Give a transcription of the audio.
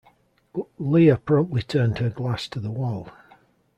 Liah promptly turned her glass to the wall.